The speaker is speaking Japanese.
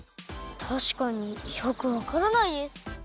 たしかによくわからないです。